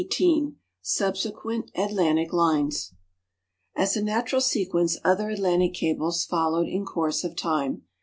CHAPTER XVIII SUBSEQUENT ATLANTIC LINES As a natural sequence other Atlantic cables followed in course of time.